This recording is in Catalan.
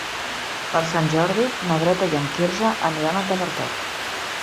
Per Sant Jordi na Greta i en Quirze aniran a Tavertet.